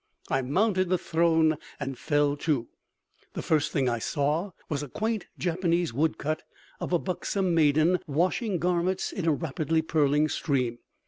I mounted the throne and fell to. The first thing I saw was a quaint Japanese woodcut of a buxom maiden washing garments in a rapidly purling stream.